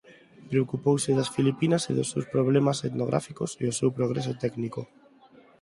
Preocupouse das Filipinas e dos seus problemas etnográficos e o seu progreso técnico.